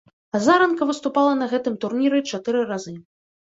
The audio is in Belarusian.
Азаранка выступала на гэтым турніры чатыры разы.